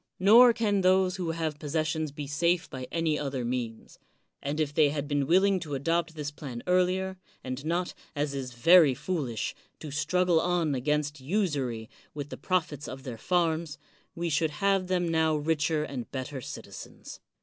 Nor can those who have 123 THE WORLD'S FAMOUS ORATIONS possessions be safe by any other means; and if they had been willing to adopt this plan earlier, and not, as is very foolish, to struggle on against usury with the profits of their farms, we should have them now richer and better citizens.